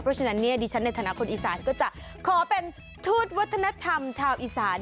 เพราะฉะนั้นเนี่ยดิฉันในฐานะคนอีสานก็จะขอเป็นทูตวัฒนธรรมชาวอีสาน